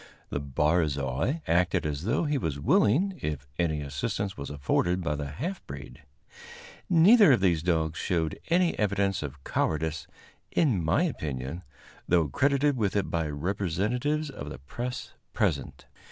The barzoi acted as though he was willing if any assistance was afforded by the half breed. Neither of these dogs showed any evidence of cowardice, in my opinion, though credited with it by representatives of the press present.